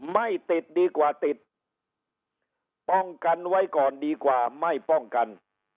ไม่ติดดีกว่าติดป้องกันไว้ก่อนดีกว่าไม่ป้องกัน